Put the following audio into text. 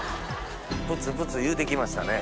プツプツいうてきましたね。